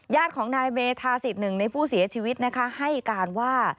ญาติของนายเมธาสิทธิ์หนึ่งในผู้เสียชีวิตนะคะให้การว่า